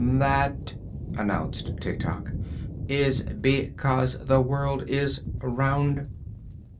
"That," announced Tik Tok, "is be cause the world is round."